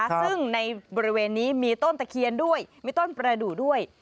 ซึ่งในบริเวณนี้มีต้นตะเคียนด้วยมีต้นประดูกด้วย